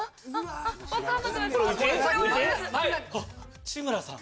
内村さん。